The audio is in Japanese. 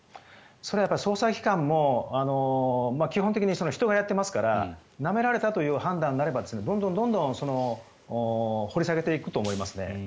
それは捜査機関も基本的に人がやってますからなめられたという判断になればどんどん掘り下げていくと思います。